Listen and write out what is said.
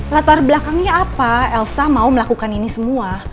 latar belakangnya apa elsa mau melakukan ini semua